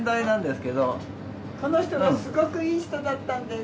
この人がすごくいい人だったんです。